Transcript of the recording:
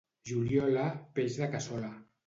Juliola, peix de cassola.